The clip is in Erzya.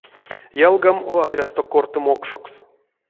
Ялгам вадрясто корты мокшокс.